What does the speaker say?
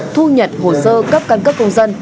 thu nhận hồ sơ cấp căn cứ công dân